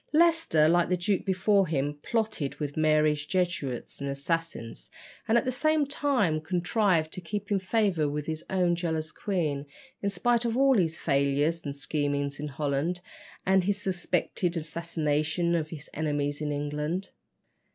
Leicester, like the duke before him, plotted with Mary's Jesuits and assassins, and at the same time contrived to keep in favour with his own jealous queen, in spite of all his failures and schemings in Holland, and his suspected assassinations of his enemies in England.